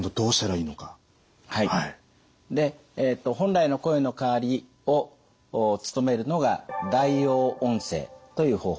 で本来の声の代わりを務めるのが代用音声という方法です。